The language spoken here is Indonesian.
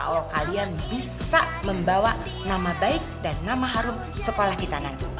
allah kalian bisa membawa nama baik dan nama harum sekolah kita nanti